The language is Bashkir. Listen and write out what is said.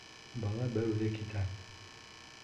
Бала бер үҙе китә.